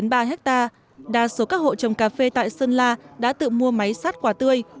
ngoài ra đa số các hộ trồng cà phê tại sơn la đã tự mua máy sát quả tươi